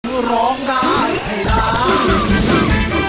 คือร้องได้ให้ร้าน